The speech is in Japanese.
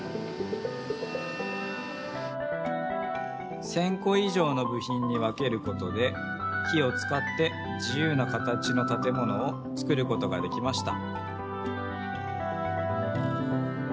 １，０００こいじょうのぶひんにわけることで木をつかって自ゆうな形のたてものをつくることができました。